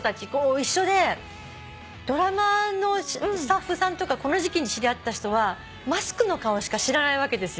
一緒でドラマのスタッフさんとかこの時期に知り合った人はマスクの顔しか知らないわけですよ。